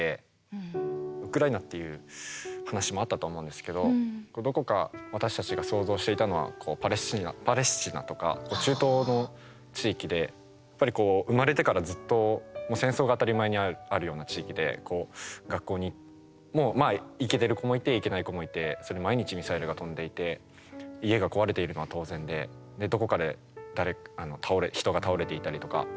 ウクライナっていう話もあったとは思うんですけどどこか私たちが想像していたのはパレスチナとか中東の地域で生まれてからずっと戦争が当たり前にあるような地域で学校にまあ行けてる子もいて行けない子もいて毎日ミサイルが飛んでいて家が壊れているのが当然でどこかで人が倒れていたりとか